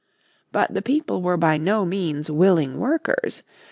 But the people were by no means willing workers.